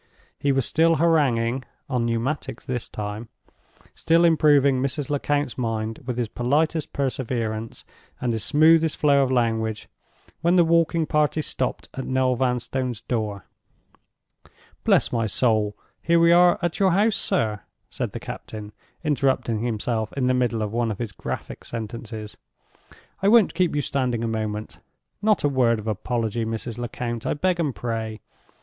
He was still haranguing (on Pneumatics this time), still improving Mrs. Lecount's mind with his politest perseverance and his smoothest flow of language—when the walking party stopped at Noel Vanstone's door. "Bless my soul, here we are at your house, sir!" said the captain, interrupting himself in the middle of one of his graphic sentences. "I won't keep you standing a moment. Not a word of apology, Mrs. Lecount, I beg and pray!